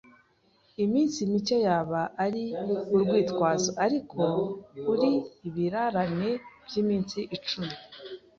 Iminsi mike yaba ari urwitwazo, ariko uri ibirarane byiminsi icumi